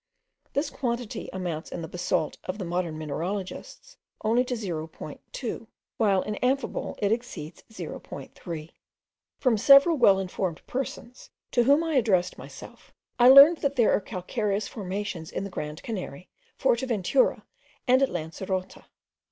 This quantity amounts in the basalt of the modern mineralogists only to 0.20, while in amphibole it exceeds 0. 30. From several well informed persons, to whom I addressed myself, I learned that there are calcareous formations in the Great Canary, Forteventura, and Lancerota.